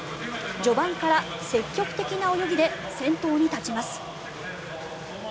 序盤から積極的な泳ぎで先頭に立ちます。